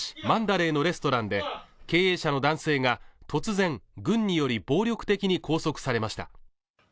マンダレーのレストランで経営者の男性が突然軍により暴力的に拘束されました